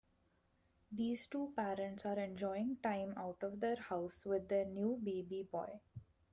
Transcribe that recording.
These two parents are enjoying time out of their house with their new baby boy.